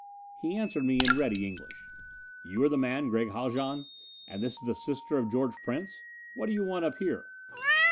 He answered me in ready English: "You are the man Gregg Haljan? And this is the sister of George Prince what do you want up here?"